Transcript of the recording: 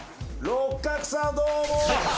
六角さんどうも。